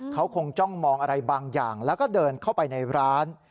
เขาคงจ้องมองอะไรบางอย่างแล้วก็เดินเข้าไปในร้าน